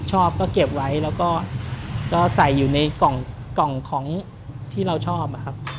ชอบก็เก็บไว้แล้วก็ใส่อยู่ในกล่องของที่เราชอบนะครับ